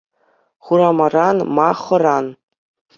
Хурамаран ма хӑран?